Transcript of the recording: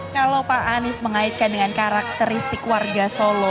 kalau pak anies mengaitkan dengan karakteristik warga solo